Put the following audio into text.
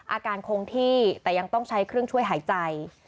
อาการคงที่แต่ยังต้องใช้เครื่องช่วยหายใจ